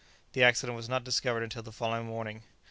The accident was not discovered until the following morning.